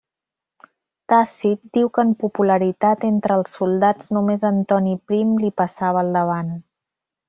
Tàcit diu que en popularitat entre els soldats només Antoni Prim li passava al davant.